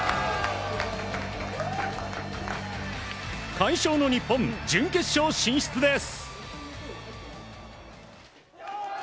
快勝の日本、準決勝進出です。